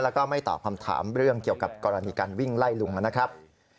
แล้วก็ไม่ตอบคำถามเรื่องเกี่ยวกับกรณีการวิ่งไล่ลุงนะครับ